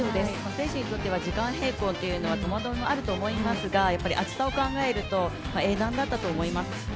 選手にとっては時間変更っていうのは戸惑いもあると思いますが、やっぱり暑さを考えると英断だったと思います。